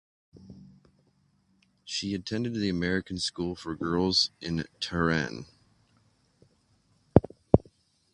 She attended the American School for Girls in Tehran.